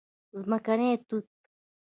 🍓ځمکني توت